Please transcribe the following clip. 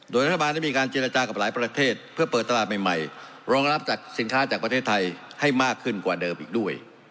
โดยรัฐบาลได้มีการเจรจากับหลายประเทศเพื่อเปิดตลาดใหม่รองรับจากสินค้าจากประเทศไทยให้มากขึ้นกว่าเดิมอีกด้วย